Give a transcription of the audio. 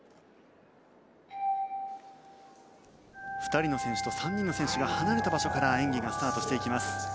２人の選手と３人の選手が離れた場所から演技がスタートしていきます。